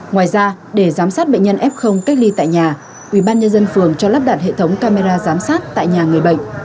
ngoài ra để giám sát bệnh nhân f cách ly tại nhà ubnd phường cho lắp đặt hệ thống camera giám sát tại nhà người bệnh